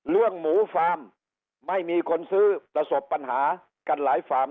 หมูฟาร์มไม่มีคนซื้อประสบปัญหากันหลายฟาร์ม